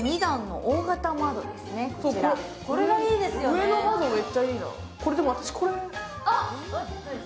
上の窓、めっちゃいいな。